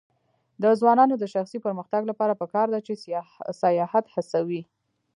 د ځوانانو د شخصي پرمختګ لپاره پکار ده چې سیاحت هڅوي.